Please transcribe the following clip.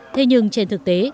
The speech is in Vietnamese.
thế nhưng trên thực tế